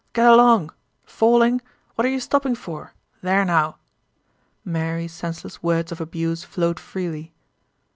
"Get along... Falling? What are you stopping for? There now...." Merry senseless words of abuse flowed freely.